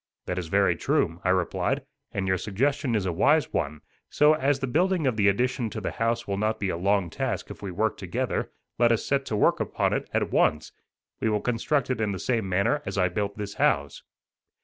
"That is very true," I replied, "and your suggestion is a wise one; so, as the building of the addition to the house will not be a long task if we work together, let us set to work upon it at once. We will construct it in the same manner as I built this house."